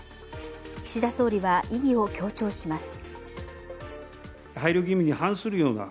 岸田総理は意義を強調します。